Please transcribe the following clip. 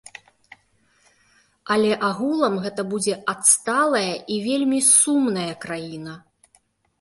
Але агулам гэта будзе адсталая і вельмі сумная краіна.